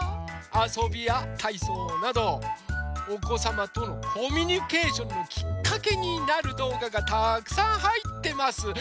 あそびやたいそうなどおこさまとのコミュニケーションのきっかけになるどうががたくさんはいってます。